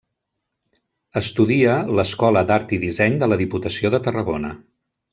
Estudia l’Escola d’Art i Disseny de la Diputació de Tarragona.